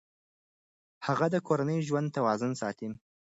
هغه د کورني ژوند توازن ساتي.